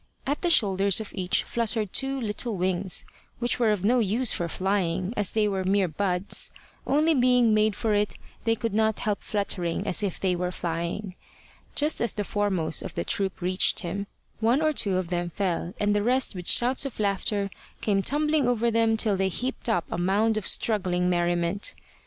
At the shoulders of each fluttered two little wings, which were of no use for flying, as they were mere buds; only being made for it they could not help fluttering as if they were flying. Just as the foremost of the troop reached him, one or two of them fell, and the rest with shouts of laughter came tumbling over them till they heaped up a mound of struggling merriment.